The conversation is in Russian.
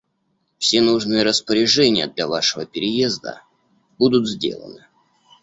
Все нужные распоряжения для вашего переезда будут сделаны.